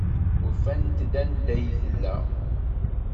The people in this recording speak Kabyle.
Ufant-d anda ay tella.